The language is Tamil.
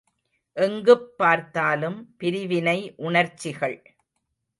எங்குப் பார்த்தாலும் பிரிவினை உணர்ச்சிகள்!